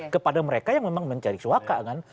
kepada mereka yang memang mencari suaka kan